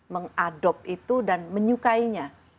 mengadopt itu dan menyukainya